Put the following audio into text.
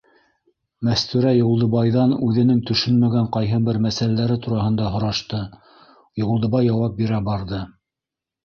Мәстүрә Юлдыбайҙан үҙенең төшөнмәгән ҡайһы бер мәсьәләләре тураһында һорашты, Юлдыбай яуап бирә барҙы.